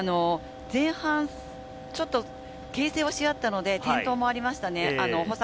前半ちょっと、けん制しあったので転倒もありましたね。